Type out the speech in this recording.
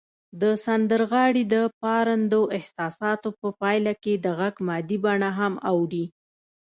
د سندرغاړي د پارندو احساساتو په پایله کې د غږ مادي بڼه هم اوړي